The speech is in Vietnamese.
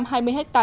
đã bị thiệt hại